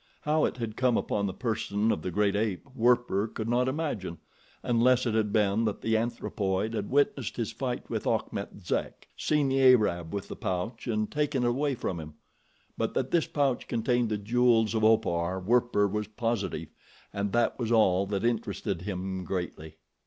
How it had come upon the person of the great ape, Werper could not imagine, unless it had been that the anthropoid had witnessed his fight with Achmet Zek, seen the Arab with the pouch and taken it away from him; but that this pouch contained the jewels of Opar, Werper was positive, and that was all that interested him greatly.